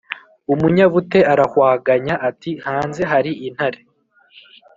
umunyabute arahwaganya ati “hanze hari intare